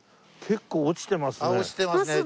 結構落ちてますね。